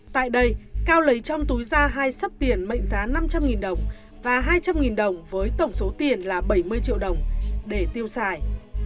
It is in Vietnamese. tại đây cao lấy trong túi ra hai sấp tiền mệnh giá năm trăm linh đồng và hai trăm linh đồng với tổng số tiền là bảy mươi triệu đồng để tiêu xài